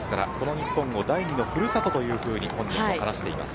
日本を第２のふるさとと話していました。